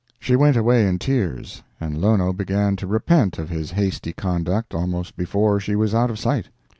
She went away in tears, and Lono began to repent of his hasty conduct almost before she was out of sight.